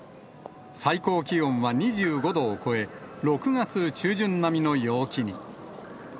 最高気温は２５度を超え、６月中旬並みの陽気に。